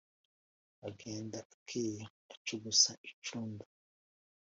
agenda akeye acugusa incunda